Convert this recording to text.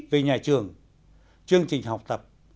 về nhà trường chương trình học tập